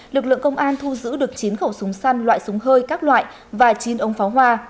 lực lượng công an thu giữ được chín khẩu súng săn loại súng hơi các loại và chín ống pháo hoa